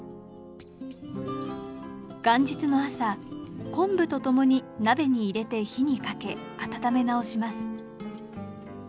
元日の朝昆布と共に鍋に入れて火にかけ温め直します。